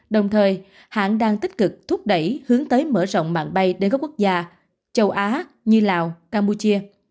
đồng thời hãng đang tích cực thúc đẩy hướng tới mở rộng mạng bay đến các quốc gia châu á như lào campuchia